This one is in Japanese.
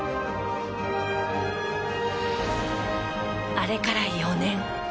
あれから４年。